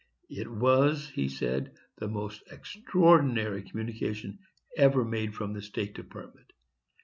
It was (he said) the most extraordinary communication ever made from the State Department.